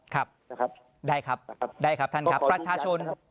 ครับได้ครับได้ครับท่านครับประชาชน